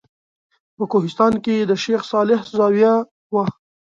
په کوهستان کې د شیخ صالح زاویه وه.